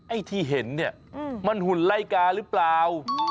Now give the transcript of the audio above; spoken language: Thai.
ไอ้ที่เห็นเนี่ยมันหุ่นไล่กาหรือเปล่า